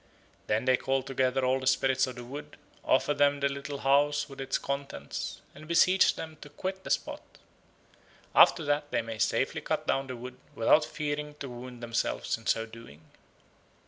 Then they call together all the spirits of the wood, offer them the little house with its contents, and beseech them to quit the spot. After that they may safely cut down the wood without fearing to wound themselves in so doing.